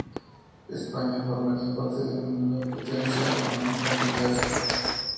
España formaría parte de una nueva potencia económica mundial.